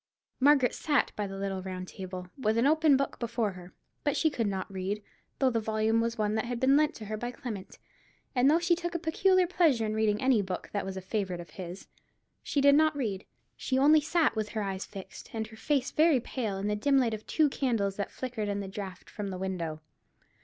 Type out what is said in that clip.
Margaret sat by the little round table, with an open book before her. But she could not read, though the volume was one that had been lent her by Clement, and though she took a peculiar pleasure in reading any book that was a favourite of his. She did not read; she only sat with her eyes fixed, and her face very pale, in the dim light of two candles that flickered in the draught from the window.